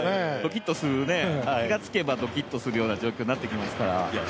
気がつけばドキッとするような状況になってきますから。